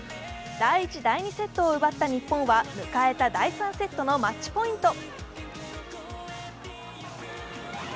第１、第２セットを奪った日本は迎えた第３セットのマッチポイント